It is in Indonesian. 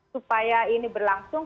supaya ini berlangsung